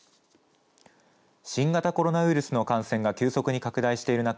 新型コロナウイルスの感染が急速に拡大している中